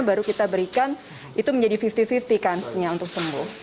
baru kita berikan itu menjadi lima puluh lima puluh kansnya untuk sembuh